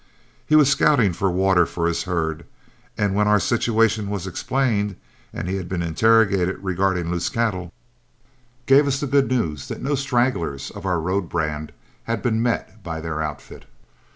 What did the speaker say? He was scouting for water for his herd, and, when our situation was explained and he had been interrogated regarding loose cattle, gave us the good news that no stragglers in our road brand had been met by their outfit.